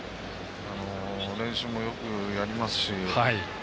練習もよくやりますし。